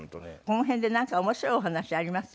この辺でなんか面白いお話あります？